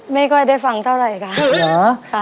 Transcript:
ไม่กว่าได้ฟังเท่าไหร่ครับเหรอ